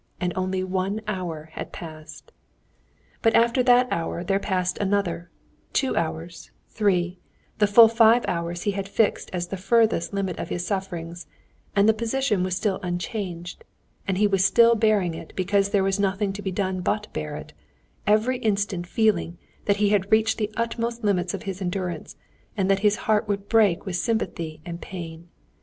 And only one hour had passed. But after that hour there passed another hour, two hours, three, the full five hours he had fixed as the furthest limit of his sufferings, and the position was still unchanged; and he was still bearing it because there was nothing to be done but bear it; every instant feeling that he had reached the utmost limits of his endurance, and that his heart would break with sympathy and pain.